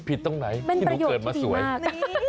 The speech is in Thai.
ผิดตรงไหนเป็นประโยชน์ที่ดีมาก